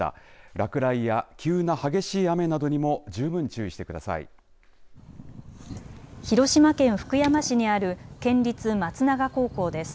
落雷や急な激しい雨などにも広島県福山市にある県立松永高校です。